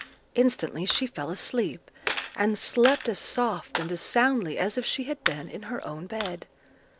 Instantly she fell asleep, and slept as soft and as soundly as if she had been in her own bed.